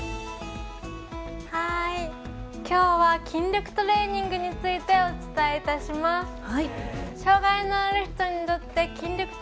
今日は筋力トレーニングについてお伝えいたします。